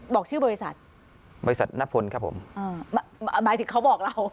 บอกชื่อบริษัทบริษัทนพลครับผมอ่าหมายถึงเขาบอกเรา